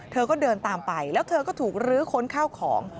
เธอก็เดินตามไปแล้วเธอก็ถูกลื้อค้นข้าวของ